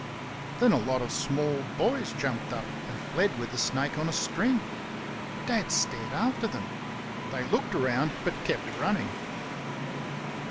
Then a lot of small boys jumped up and fled with the snake on a string. Dad stared after them. They looked round, but kept running.